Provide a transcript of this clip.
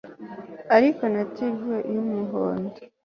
Ariko na Tiber yumuhondo